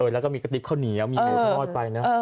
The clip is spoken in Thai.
แล้วก็มีกระติบข้าวเหนียวมีหมูทอดไปนะ